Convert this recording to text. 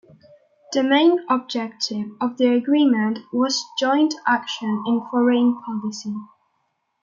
The main objective of the agreement was joint action in foreign policy.